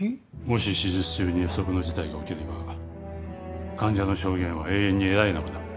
もし手術中に不測の事態が起きれば患者の証言は永遠に得られなくなる。